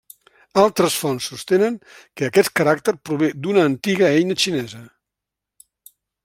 Altres fonts sostenen que aquest caràcter prové d'una antiga eina xinesa.